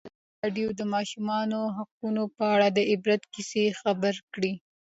ازادي راډیو د د ماشومانو حقونه په اړه د عبرت کیسې خبر کړي.